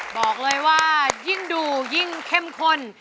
บอกเลยว่ายิ่งดูยิ่งเข้มข้น